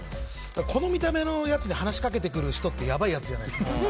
この見た目のやつに話しかけてくる人ってやばいやつじゃないですか。